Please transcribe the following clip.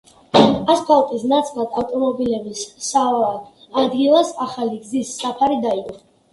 ასფალტის ნაცვლად, ავტომობილების სავალ ადგილას ახალი გზის საფარი დაიგო.